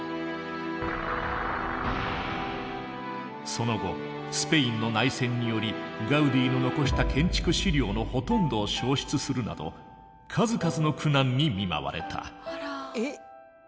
その後スペインの内戦によりガウディの残した建築資料のほとんどを消失するなど数々の苦難に見舞われた。